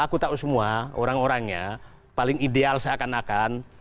aku tahu semua orang orangnya paling ideal seakan akan